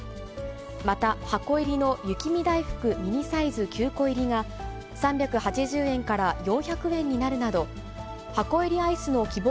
また、箱入りの雪見だいふくミニサイズ９個入りが、３８０円から４００円になるなど、箱入りアイスの希望